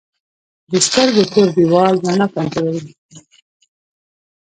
د سترګو تور دیوال رڼا کنټرولوي